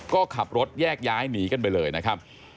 ก็ขับรถแยกย้ายหนีกันไปเลยนะครับ